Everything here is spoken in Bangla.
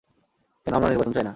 কেন আমরা নির্বাচন চাই না?